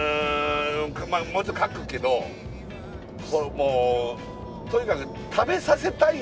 もちろん書くけどもうとにかく。